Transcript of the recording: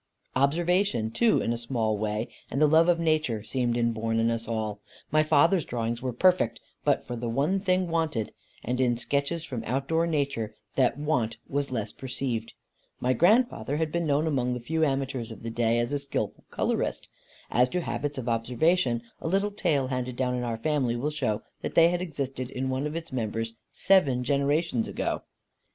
Observation too, in a small way, and the love of nature seemed inborn in us all. My father's drawings were perfect, but for the one thing wanted; and in sketches from outdoor nature that want was less perceived. My grandfather had been known among the few amateurs of the day as a skilful colourist. As to habits of observation, a little tale handed down in our family will show that they had existed in one of its members seven generations ago.